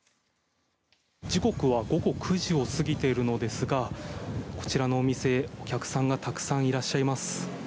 時刻は午後９時を過ぎているのですがこちらのお店、お客さんがたくさんいらっしゃいます。